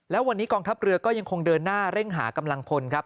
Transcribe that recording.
แล้ววันนี้กองทัพเรือก็ยังคงเดินหน้าเร่งหากำลังพลครับ